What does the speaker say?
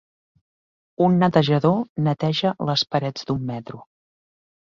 Un netejador neteja les parets d'un metro